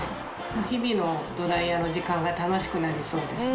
日々のドライヤーの時間が楽しくなりそうですね。